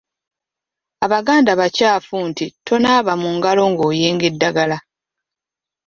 Abaganda bakyafu nti tonaaba mu ngalo ng’oyenga eddagala.